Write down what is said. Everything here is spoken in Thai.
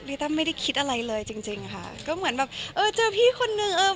ตั้มไม่ได้คิดอะไรเลยจริงจริงค่ะก็เหมือนแบบเออเจอพี่คนนึงเออ